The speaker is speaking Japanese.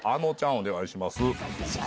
お願いします。